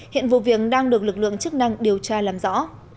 hiện vụ việc đang được lực lượng chức năng điều tra làm rõ